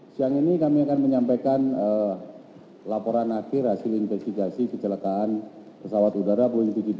siang ini kami akan menyampaikan laporan akhir hasil investigasi kecelakaan pesawat udara b tujuh ratus tiga puluh tujuh